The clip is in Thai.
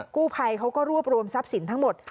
กู้ภัยเขาก็รวบรวมทรัพย์สินทั้งหมด